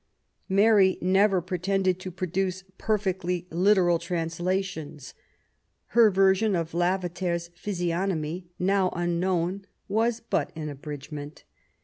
Mary never pretended to produce perfectly literal translations. Her version of Lavater's Physiognomy, now unknown, was but an abridgment.